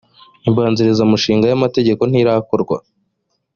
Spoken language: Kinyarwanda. imbanzirizamushinga y ‘amategeko ntirakorwa.